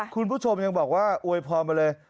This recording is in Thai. คุณผู้ชมยังบอกว่าอวยพรมาเลย